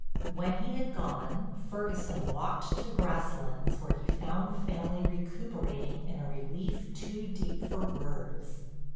When he had gone, Ferguson walked to Grasslands where he found the family recuperating in a relief too deep for words.